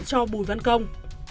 cho bùi văn công